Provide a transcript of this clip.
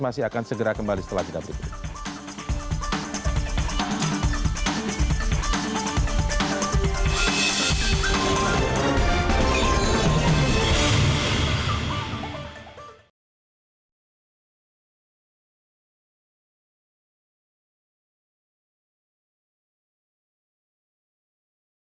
masih akan segera kembali setelah kita berikutnya